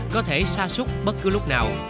có thể xa xúc bất cứ lúc nào